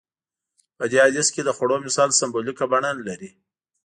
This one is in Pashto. په دې حديث کې د خوړو مثال سمبوليکه بڼه لري.